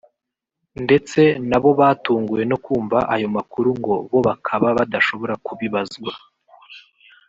ndetse nabo batunguwe no kumva ayo makuru ngo bo bakaba badashobora kubibazwa